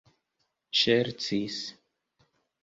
ŝercis